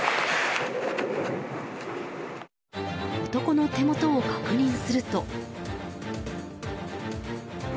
男の手元を確認すると。